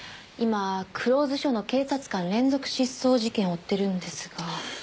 今黒水署の警察官連続失踪事件を追ってるんですが。